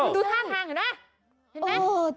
ดูท่าทางเห็นไหม